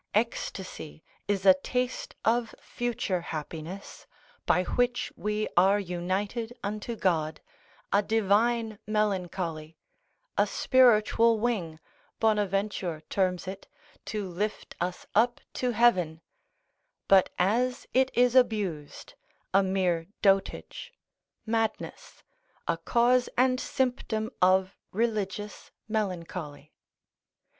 Ecstasy is a taste of future happiness, by which we are united unto God, a divine melancholy, a spiritual wing, Bonaventure terms it, to lift us up to heaven; but as it is abused, a mere dotage, madness, a cause and symptom of religious melancholy.